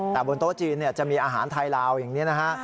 แต่บนโต๊ะจีนจะมีอาหารไทยลาวอย่างนี้นะฮะ